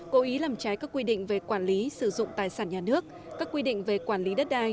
cố ý làm trái các quy định về quản lý sử dụng tài sản nhà nước các quy định về quản lý đất đai